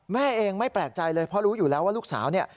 แม่เองไม่แปลกใจเลยเพราะรู้อยู่แล้วว่าลูกสาวเนี่ย